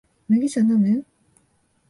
麦茶のむ？